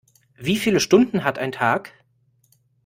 Wie viele Stunden hat ein Tag?